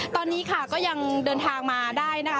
ตอนนี้ค่ะก็ยังเดินทางมาได้นะคะ